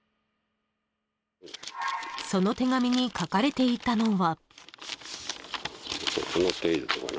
［その手紙に書かれていたのは］